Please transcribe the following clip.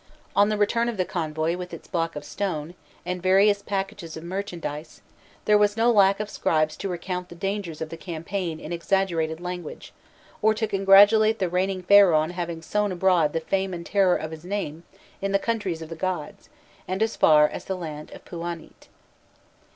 On the return of the convoy with its block of stone, and various packages of merchandise, there was no lack of scribes to recount the dangers of the campaign in exaggerated language, or to congratulate the reigning Pharaoh on having sown abroad the fame and terror of his name in the countries of the gods, and as far as the land of Pûanît.